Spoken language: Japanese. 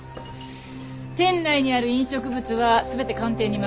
店内にある飲食物は全て鑑定に回して。